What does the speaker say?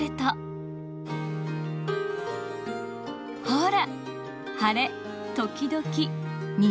ほら晴れ時々虹。